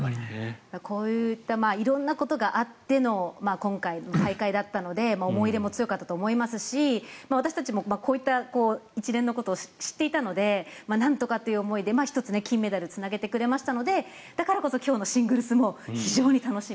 こういった色んなことがあっての今回の大会だったので思い入れも強かったと思いますし私たちもこういった一連のことを知っていたのでなんとかという思いで１つ金メダルをつなげてくれましたのでだからこそ今日のシングルスも非常に楽しみ